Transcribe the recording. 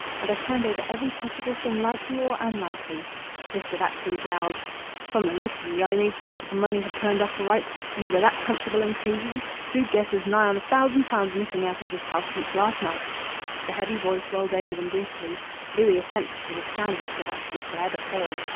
And I've turned over every possible thing likely or unlikely." Mr. Batchgrew growled "From th' look of ye I made sure that th' money had turned up all right ye were that comfortable and cosy! Who'd guess as nigh on a thousand pound's missing out of this house since last night!" The heavy voice rolled over them brutally. Louis attempted to withstand Mr. Batchgrew's glare, but failed.